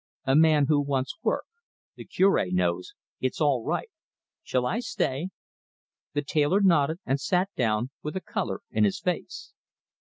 "A man who wants work. The Cure knows. It's all right. Shall I stay?" The tailor nodded, and sat down with a colour in his face.